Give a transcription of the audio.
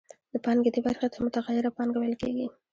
د پانګې دې برخې ته متغیره پانګه ویل کېږي